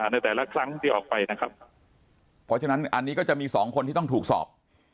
ในแต่ละครั้งที่ออกไปนะครับเพราะฉะนั้นอันนี้ก็จะมีสองคนที่ต้องถูกสอบ